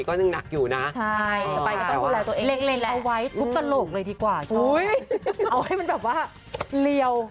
โอ้ยเอาให้มันแบบว่าเรียว